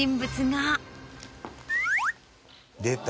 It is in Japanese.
出た。